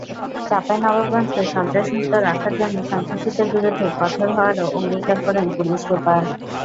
চাঁপাইনবাবগঞ্জকে সন্ত্রাসমুক্ত রাখার জন্য সন্ত্রাসীদের বিরুদ্ধে কঠোর হওয়ারও অঙ্গীকার করেন পুলিশ সুপার।